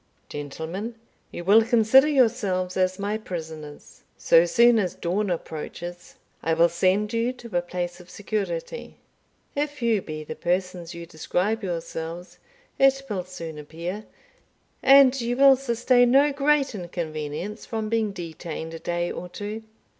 Gentlemen, you will consider yourselves as my prisoners. So soon as dawn approaches, I will send you to a place of security. If you be the persons you describe yourselves, it will soon appear, and you will sustain no great inconvenience from being detained a day or two.